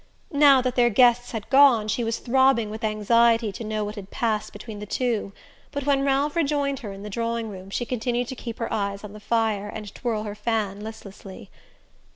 Now that their guests had gone she was throbbing with anxiety to know what had passed between the two; but when Ralph rejoined her in the drawing room she continued to keep her eyes on the fire and twirl her fan listlessly.